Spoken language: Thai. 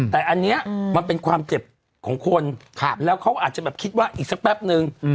แต่อันนี้มันเป็นความเจ็บของคนแล้วเขาอาจจะแบบคิดว่าอีกสักแป๊บนึง